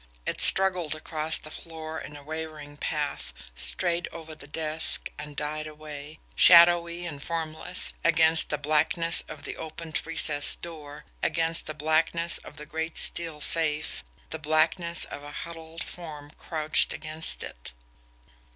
It struggled across the floor in a wavering path, strayed over the desk, and died away, shadowy and formless, against the blackness of the opened recess door, against the blackness of the great steel safe, the blackness of a huddled form crouched against it.